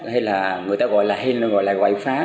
hay là người ta gọi là hay là gọi là gọi phá